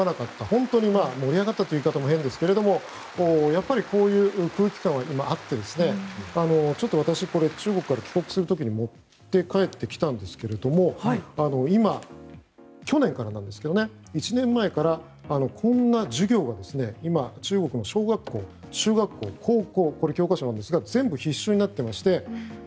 本当に盛り上がったという言い方も変ですがやっぱりこういう空気感は今、あって私、中国から帰国する時に持って帰ってきたんですけど今、去年からなんですが１年前からこんな授業が今、中国の小学校、中学校、高校これ教科書なんですが全部必修になってまして。